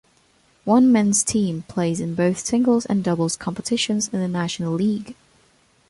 One men's team plays in both singles and doubles competitions in the National League.